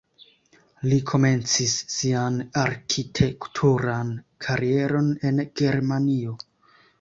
Li komencis sian arkitekturan karieron en Germanio.